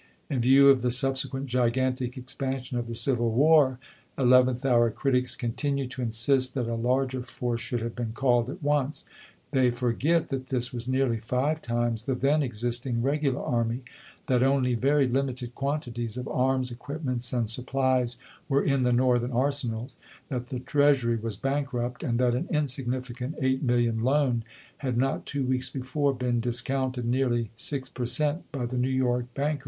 In view of the subsequent gigantic expansion of the civil war, eleventh hour critics continue to in sist that a larger force should have been called at once. They forget that this was nearly five times the then existing regular army; that only very limited quantities of arms, equipments, and sup plies were in the Northern arsenals ; that the treas ury was bankrupt ; and that an insignificant eight million loan had not two weeks before been dis counted nearly six per cent, by the New York bank CUAP.